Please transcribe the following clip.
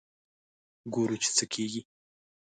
ګورو چې څه کېږي.